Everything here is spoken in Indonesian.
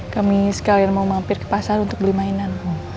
kami sekalian mau mampir ke pasar untuk beli mainan